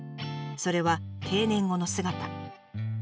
それは定年後の姿。